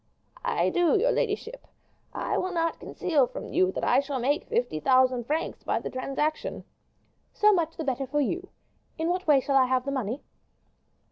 "I do, your ladyship. I will not conceal from you that I shall make fifty thousand francs by the transaction." "So much the better for you. In what way shall I have the money?"